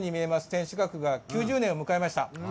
天守閣が９０年を迎えました。